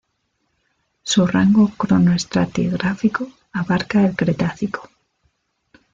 Su rango cronoestratigráfico abarca el Cretácico.